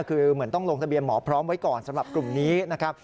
คือเหมือนต้องลงทะเบียนหมอพร้อมไว้ก่อนสำหรับกลุ่มนี้นะครับ